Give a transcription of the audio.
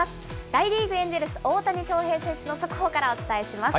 大リーグ・エンジェルス、大谷翔平選手の速報からお伝えします。